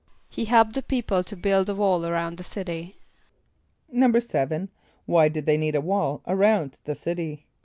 =He helped the people to build a wall around the city.= =7.= Why did they need a wall around the city?